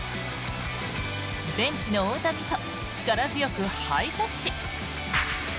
ベンチの大谷と力強くハイタッチ。